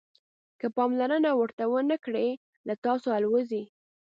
که پاملرنه ورته ونه کړئ له تاسو الوزي.